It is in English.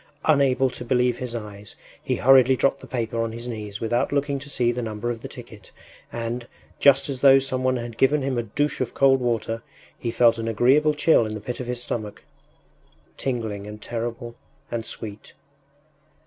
Unable to believe his eyes, he hurriedly dropped the paper on his knees without looking to see the number of the ticket, and, just as though some one had given him a douche of cold water, he felt an agreeable chill in the pit of the stomach; tingling and terrible and sweet!